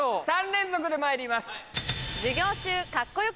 ３連続でまいります。